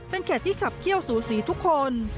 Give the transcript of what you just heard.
เป็นแข่นที่ขับเขี้ยวศุษีทุกคน